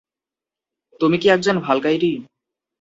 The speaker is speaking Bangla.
তুমি কি একজন ভালকাইরি?